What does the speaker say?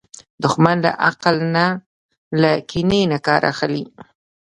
دښمن له عقل نه، له کینې نه کار اخلي